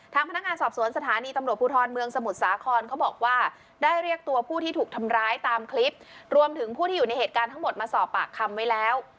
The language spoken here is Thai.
ทางพนักงานสอบสวนสถานีตำรวจภูทรเมืองสมุทรสาครเขาบอกว่าได้เรียกตัวผู้ที่ถูกทำร้ายตามคลิปรวมถึงผู้ที่อยู่ในเหตุการณ์ทั้งหมดมาสอบปากคำไว้แล้ว